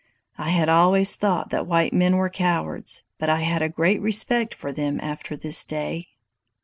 I had always thought that white men were cowards, but I had a great respect for them after this day.